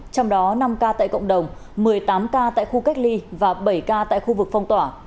trong đó năm ca tại cộng đồng một mươi tám ca tại khu cách ly và bảy ca tại khu vực phong tỏa